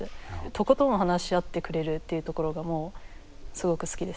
とことん話し合ってくれるっていうところがもうすごく好きですね。